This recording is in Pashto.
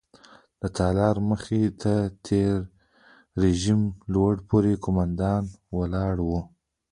د تالار مخې ته د تېر رژیم لوړ پوړي قوماندان ولاړ وو.